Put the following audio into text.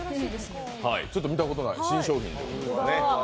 ちょっと見たことない新商品ということで。